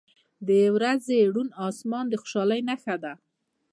• د ورځې روڼ آسمان د خوشحالۍ نښه ده.